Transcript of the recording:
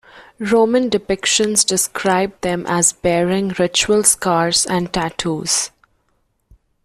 Roman depictions describe them as bearing ritual scars and tattoos.